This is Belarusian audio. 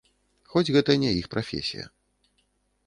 Хоць гэта не іх прафесія.